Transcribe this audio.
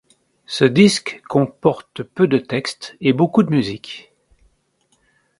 Ce disque comporte peu de textes et beaucoup de musique.